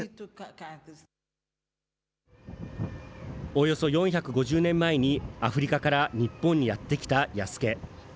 およそ４５０年前にアフリカから日本にやって来た弥助。